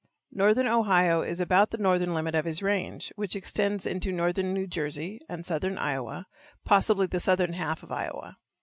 Northern Ohio is about the northern limit of his range, which extends into northern New Jersey and southern Iowa, possibly the southern half of Iowa.